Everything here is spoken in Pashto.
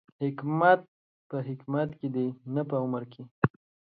حکمت په حکمت کې دی، نه په عمر کې